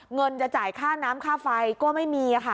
เงินจะจ่ายค่าน้ำค่าไฟก็ไม่มีค่ะ